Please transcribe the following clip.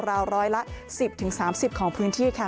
ราวร้อยละ๑๐๓๐ของพื้นที่ค่ะ